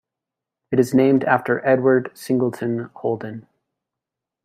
It is named after Edward Singleton Holden.